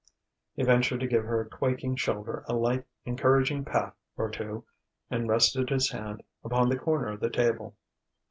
He ventured to give her quaking shoulder a light, encouraging pat or two, and rested his hand upon the corner of the table.